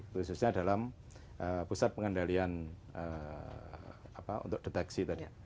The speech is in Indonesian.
khususnya dalam pusat pengendalian untuk deteksi tadi